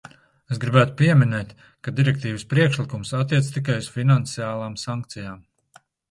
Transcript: Es gribētu pieminēt, ka direktīvas priekšlikums attiecas tikai uz finansiālām sankcijām.